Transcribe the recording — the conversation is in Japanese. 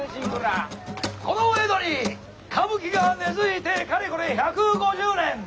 このお江戸に歌舞伎が根づいてかれこれ１５０年。